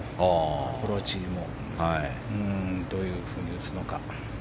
アプローチもどういうふうに打つのか。